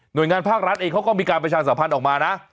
โดยงานภาครัฐเองเขาก็มีการประชาสัมพันธ์ออกมานะ